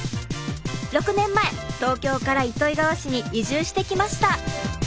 ６年前東京から糸魚川市に移住してきました。